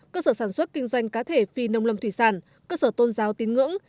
cơ sở sản xuất kinh doanh cá thể phi nông lâm thủy sản cơ sở tôn giáo tín ngưỡng